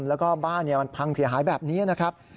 แล้วก็บ้านมันพังเสียหายแบบนี้นะครับ